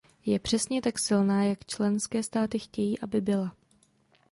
Je přesně tak silná, jak členské státy chtějí, aby byla.